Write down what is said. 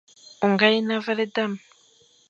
O nga yen abaghle dam ;